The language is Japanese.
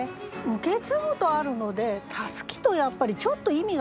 「受け継ぐ」とあるので「タスキ」とやっぱりちょっと意味がかぶるかな。